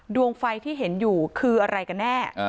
ดวงไฟที่เห็นอยู่คืออะไรกันแน่